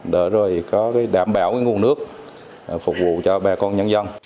để đảm bảo nguồn nước phục vụ cho bà con nhân dân